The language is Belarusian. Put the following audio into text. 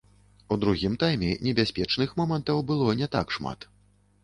У другім тайме небяспечных момантаў было не так шмат.